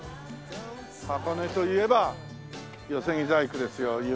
箱根といえば寄木細工ですよ有名な。